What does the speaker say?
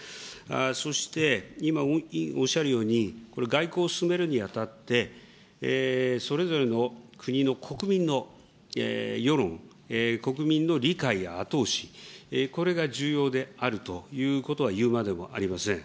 そして委員おっしゃるように、これ、外交を進めるにあたって、それぞれの国の国民の世論、国民の理解や後押し、これが重要であるということは言うまでもありません。